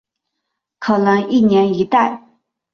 可能一年一代。